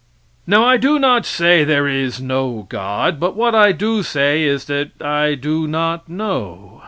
Now, I do not say there is no God, but what I do say is that I do not know.